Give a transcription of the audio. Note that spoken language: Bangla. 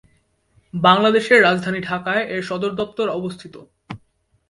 বাংলাদেশের রাজধানী ঢাকায় এর সদরদপ্তর অবস্থিত।